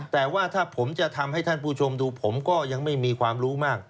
แต่ว่าถ้าผมจะทำให้ท่านผู้ชมดูผมก็ยังไม่มีความรู้มาก